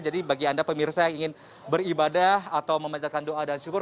jadi bagi anda pemirsa yang ingin beribadah atau memanjakan doa dan syukur